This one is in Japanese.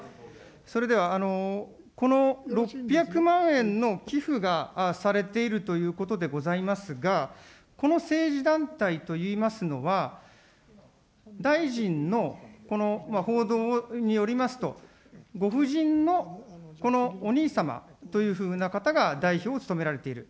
それでは、この６００万円の寄付がされているということでございますが、この政治団体といいますのは、大臣の報道によりますと、ご夫人のこのお兄様というふうな方が代表を務められている。